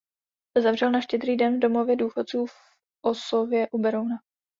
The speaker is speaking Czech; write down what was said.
Zemřel na Štědrý den v domově důchodců v Osově u Berouna.